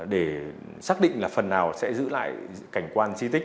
để xác định là phần nào sẽ giữ lại cảnh quan di tích